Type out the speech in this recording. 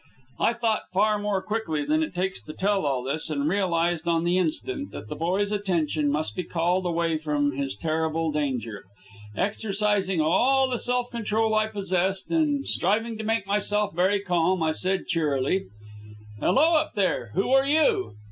I thought far more quickly than it takes to tell all this, and realized on the instant that the boy's attention must be called away from his terrible danger. Exercising all the self control I possessed, and striving to make myself very calm, I said cheerily: "Hello, up there, who are you!"